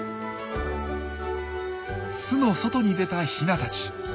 巣の外に出たヒナたち。